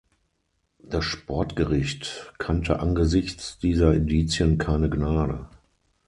Das Sportgericht kannte angesichts dieser Indizien keine Gnade.